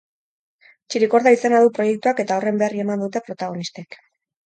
Txirikorda izena du proiektuak eta horren berri eman dute protagonistek.